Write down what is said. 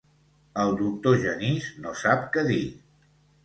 El doctor Genís no sap què dir.